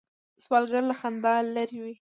سوالګر له خندا لرې وي